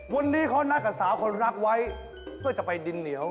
วันนี้เขานัดกับสาวคนรักไว้เพื่อจะไปดินเหนียว